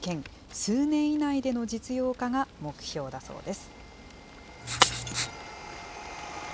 数年以内での実用化が目標だそうです。